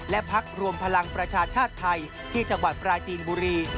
และพักรวมพลังประชาชาติไทยที่จังหวัดปราจีนบุรี